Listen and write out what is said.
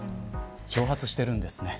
蒸発しているんですね。